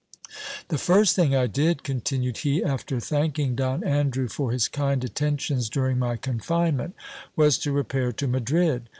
The first thing I did, continued he, after thanking Don Andrew for his kind attentions during my confinement, was to repair to Madrid.